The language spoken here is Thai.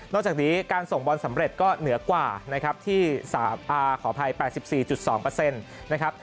จากนี้การส่งบอลสำเร็จก็เหนือกว่านะครับที่ขออภัย๘๔๒นะครับ